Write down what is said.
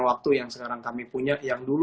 waktu yang sekarang kami punya yang dulu